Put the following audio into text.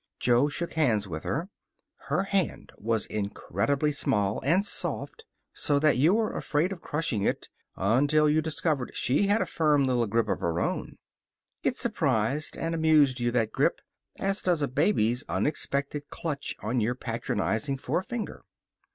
Jo shook hands with her. Her hand was incredibly small, and soft, so that you were afraid of crushing it, until you discovered she had a firm little grip all her own. It surprised and amused you, that grip, as does a baby's unexpected clutch on your patronizing forefinger.